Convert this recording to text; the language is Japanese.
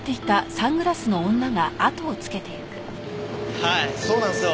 はいそうなんすよ。